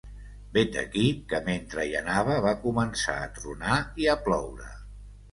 Vet aquí que mentre hi anava va començar a tronar i a ploure.